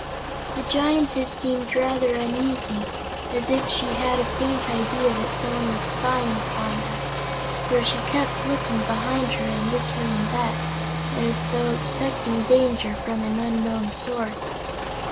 The Giantess seemed rather uneasy, as if she had a faint idea that someone was spying upon her, for she kept looking behind her and this way and that, as though expecting danger from an unknown source.